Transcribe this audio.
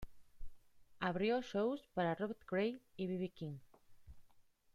Abrió shows para Robert Cray y B. B. King.